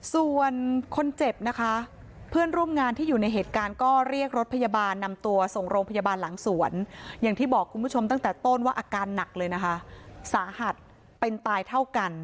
ส่วนคนเจ็บนะคะเพื่อนร่วมงานที่อยู่ในเหตุการณ์ก็เรียกรถพยาบาลนำตัวส่งโรงพยาบาลหลังสวนอย่างที่บอกคุณผู้ชมตั้งแต่ต้นว่าอาการหนักเลยนะคะสาหัสเป็นตายเท่ากัน